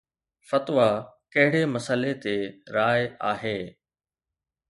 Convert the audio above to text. فتويٰ ڪهڙي مسئلي تي راءِ آهي؟